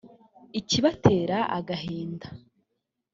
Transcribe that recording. Ikibatera agahinda